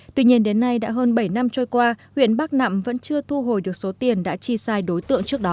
tuy nhiên đến nay đã hơn bảy năm trôi qua huyện bắc nạm vẫn chưa thu hồi được số tiền đã chi sai đối tượng trước đó